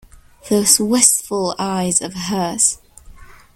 Those wistful eyes of hers!